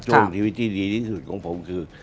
ช่วงชีวิตที่ดีที่สุดของผมคือ